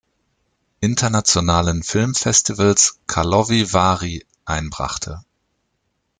Internationalen Filmfestivals Karlovy Vary einbrachte.